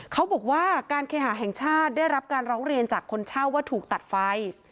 เขาบอกว่าการเคหาแห่งชาติได้รับการร้องเรียนจากคนเช่าว่าถูกตัดไฟ